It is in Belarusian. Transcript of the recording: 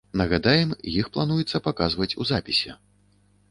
Нагадаем, іх плануецца паказваць у запісе.